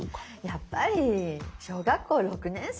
やっぱり小学校６年生で。